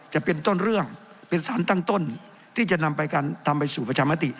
จะเป็นต้นเรื่องเป็นสารตั้งต้นที่จะนำไปการทำไปสู่ประชามติ